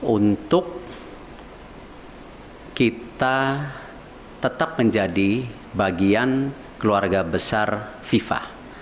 untuk kita tetap menjadi bagian keluarga besar fifa